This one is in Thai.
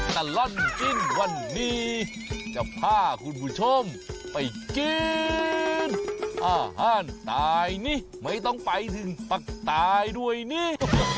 ตลอดกินวันนี้จะพาคุณผู้ชมไปกินอาหารตายนี่ไม่ต้องไปถึงปะตายด้วยนี่